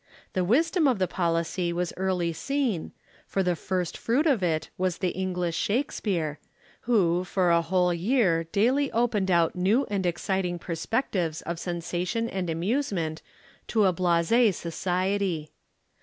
The wisdom of the policy was early seen, for the first fruit of it was the English Shakespeare, who for a whole year daily opened out new and exciting perspectives of sensation and amusement to a blasé Society.